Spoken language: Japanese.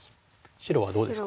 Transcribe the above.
白はどうですか？